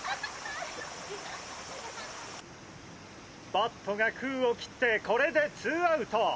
バットが空を切ってこれでツーアウト！